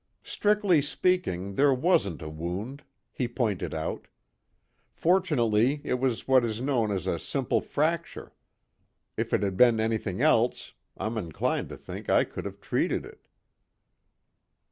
"Strictly speaking, there wasn't a wound," he pointed out. "Fortunately it was what is known as a simple fracture. If it had been anything else, I'm inclined to think I couldn't have treated it."